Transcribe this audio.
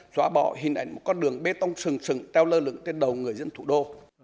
xóa bỏ hình ảnh một con đường bê tông sừng sừng teo lơ lửng trên đầu người dân thủ đô